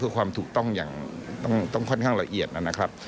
เพื่อความถูกต้องอย่างต้องค่อนข้างละเอียดนะครับ